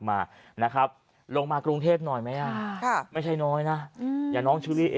มานะครับลงมากรุงเทพหน่อยไหมอ่ะค่ะไม่ใช่น้อยนะอย่างน้องเชอรี่